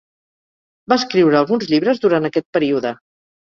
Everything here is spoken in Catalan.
Va escriure alguns llibres durant aquest període.